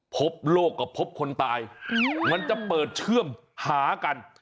พบโลกกับพบคนตายมันจะเปิดเชื่อมหากัน